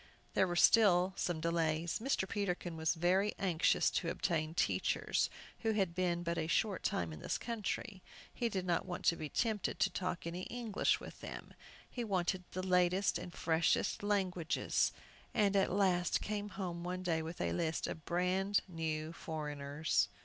There were still some delays. Mr. Peterkin was very anxious to obtain teachers who had been but a short time in this country. He did not want to be tempted to talk any English with them. He wanted the latest and freshest languages, and at last came home one day with a list of "brand new foreigners."